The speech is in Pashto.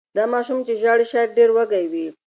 دا ماشوم چې ژاړي شاید ډېر وږی وي.